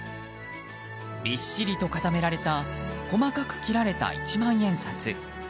びっしりと固められた細かく切られた一万円札。